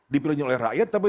dipilih oleh rakyat tapi